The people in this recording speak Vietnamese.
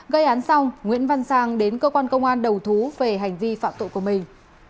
gây án xong nguyễn văn sang đến cơ quan công an đầu thú về hành vi phạm tội của mình